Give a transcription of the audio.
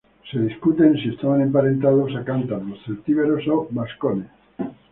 Se discute si estaban emparentados a cántabros, celtíberos o vascones.